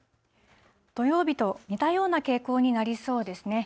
土曜日と似たような傾向になりそうですね。